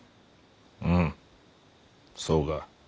うんそうが。